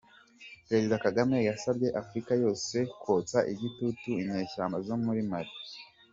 Perezida Kagame yasabye Afurika yose kotsa igitutu inyeshyamba zo muri Mali